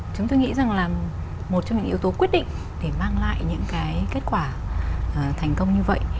chúng tôi nghĩ rằng là một trong những yếu tố quyết định để mang lại những cái kết quả thành công như vậy